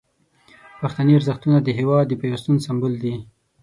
پښتني ارزښتونه د هیواد د پیوستون سمبول دي.